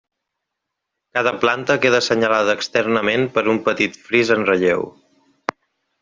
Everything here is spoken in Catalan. Cada planta queda assenyalada externament per un petit fris en relleu.